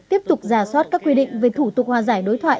tiếp tục giả soát các quy định về thủ tục hòa giải đối thoại